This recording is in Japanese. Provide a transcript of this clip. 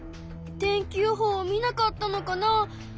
天気予報を見なかったのかな？